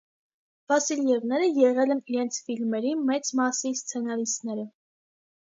Վասիլևները եղել են իրենց ֆիլմերի մեծ մասի սցենարիստները։